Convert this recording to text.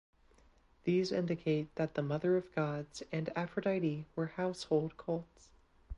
These indicate that the Mother of Gods and Aphrodite were household cults.